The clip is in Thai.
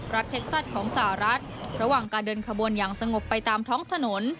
เท็กซัสของสหรัฐระหว่างการเดินขบวนอย่างสงบไปตามท้องถนน